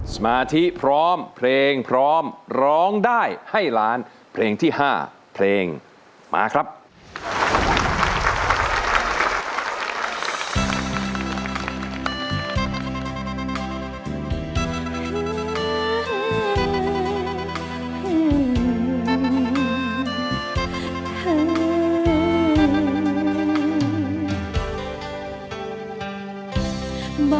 สมาธิพร้อมเพลงพร้อมร้องได้ให้ล้านเพลงที่๕เพลงมาครับ